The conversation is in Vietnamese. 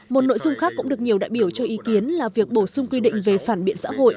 một nội dung khác cũng được nhiều đại biểu cho ý kiến là việc bổ sung quy định về phản biện xã hội